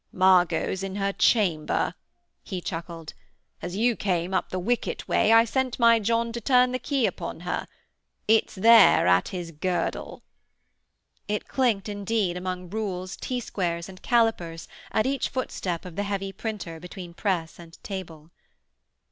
'Margot's in her chamber,' he chuckled. 'As you came up the wicket way I sent my John to turn the key upon her. It's there at his girdle.' It clinked indeed among rules, T squares and callipers at each footstep of the heavy printer between press and table.